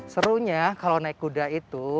serunya kalau naik kuda itu